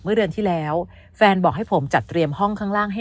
เมื่อเดือนที่แล้วแฟนบอกให้ผมจัดเตรียมห้องข้างล่างให้